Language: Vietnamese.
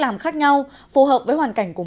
làm khác nhau phù hợp với hoàn cảnh của